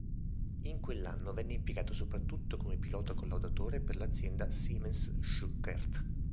In quell'anno venne impiegato soprattutto come pilota collaudatore per l'azienda Siemens-Schuckert.